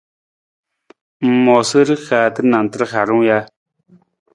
Ng moosa rihaata nantar harung ja?